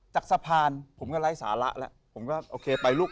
จากสะพานผมก็ไร้สาระแล้วผมก็โอเคไปลูก